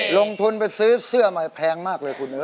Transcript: ลงทุนไปซื้อเสื้อมันแพงมากเลยคุณแลม่